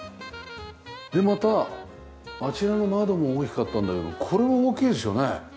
でまたあちらの窓も大きかったんだけどもこれも大きいですよね？